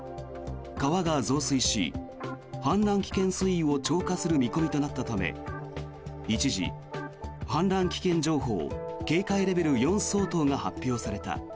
川が増水し、氾濫危険水位を超過する見込みとなったため一時、氾濫危険情報警戒レベル４相当が発表された。